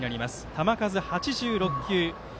球数８６球。